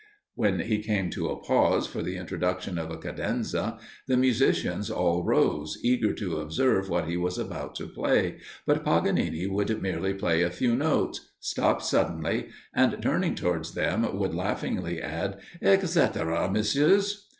When he came to a pause for the introduction of a cadenza, the musicians all rose, eager to observe what he was about to play, but Paganini would merely play a few notes stop suddenly and, turning towards them, would laughingly add, "Et cætera, Messieurs!"